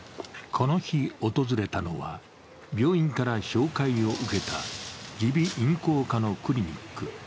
この日訪れたのは、病院から紹介を受けた耳鼻咽喉科のクリニック。